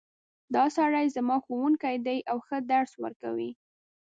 دا سړی زما ښوونکی ده او ښه درس ورکوی